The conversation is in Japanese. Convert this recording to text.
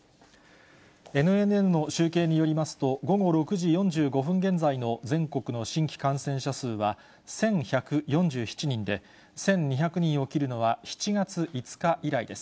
ＮＮＮの集計によりますと、午後６時４５分現在の全国の新規感染者数は１１４７人で、１２００人を切るのは７月５日以来です。